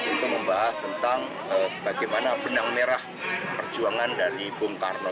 itu membahas tentang bagaimana benang merah perjuangan dari bung karno